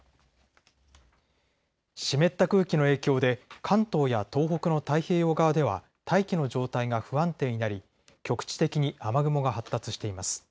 湿った空気の影響で関東や東北の太平洋側では大気の状態が不安定になり局地的に雨雲が発達しています。